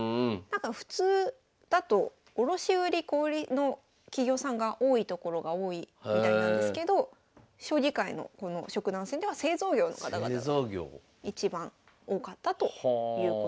普通だと卸売り・小売りの企業さんが多いところが多いみたいなんですけど将棋界のこの職団戦では製造業の方々が一番多かったということみたいです。